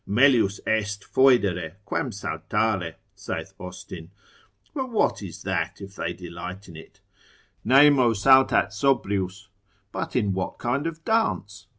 Melius est foedere, quam saltare, saith Austin: but what is that if they delight in it? Nemo saltat sobrius. But in what kind of dance?